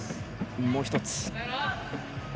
もう１つ。